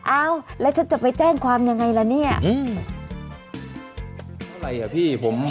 อ้าวแล้วฉันจะไปแจ้งความยังไงล่ะเนี่ย